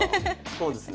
こうですね？